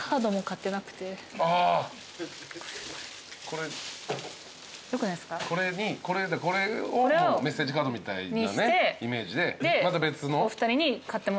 これをメッセージカードみたいなイメージで。